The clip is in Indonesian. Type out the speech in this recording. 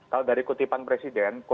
kalau dari kutipan presiden